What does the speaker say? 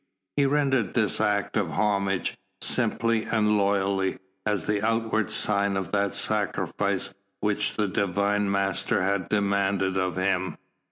He rendered this act of homage simply and loyally, as the outward sign of that sacrifice which the Divine Master had demanded of him.